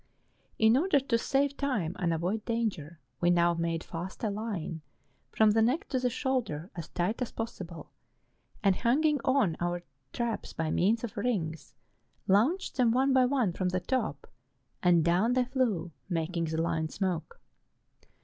In order to save time and avoid danger, we now made fast a line, from the neck to the shoulder as tight as possible, and hanging on our traps by means of rings, launched them one by one from the top, and down they flew, making the line smoke.